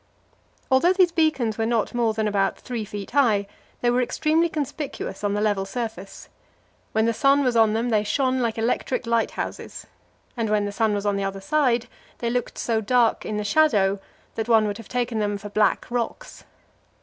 Although these beacons were not more than about 3 feet high, they were extremely conspicuous on the level surface. When the sun was on them, they shone like electric lighthouses; and when the sun was on the other side, they looked so dark in the shadow that one would have taken them for black rocks.